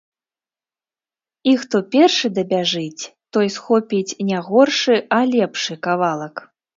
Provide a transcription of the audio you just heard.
І хто першы дабяжыць, той схопіць не горшы, а лепшы кавалак.